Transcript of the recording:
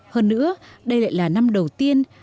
hơn nữa đây lại là năm đầu tiên